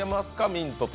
ミントと。